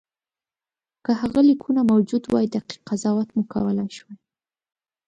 که هغه لیکونه موجود وای دقیق قضاوت مو کولای شوای.